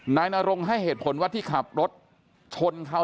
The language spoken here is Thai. นายนรงให้เหตุผลว่าที่ขับรถชนเขา